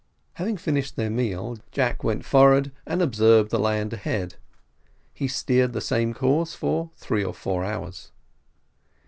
Having finished their meal, Jack went forward and observed the land ahead; they steered the same course for three or four hours.